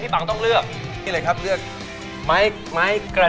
ที่เลือก